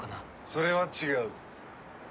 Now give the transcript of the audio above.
それは違う。